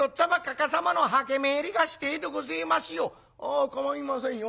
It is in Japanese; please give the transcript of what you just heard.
「あ構いませんよ。